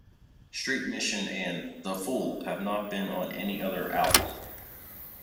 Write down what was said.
"Street Mission" and "The Fool" have not been on any other album.